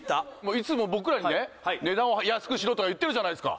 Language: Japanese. いつも僕らにねはい値段を安くしろとか言ってるじゃないですか